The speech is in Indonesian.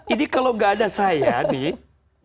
ini kalau nggak ada saya nih